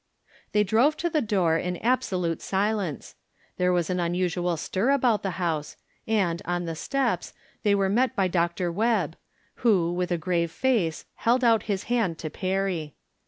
They drove to the door in absolute silence. There was an unusual stir about the house, and, on the steps, they were met by Dr. Webb, who, with a grave face, held out his hand to Perry.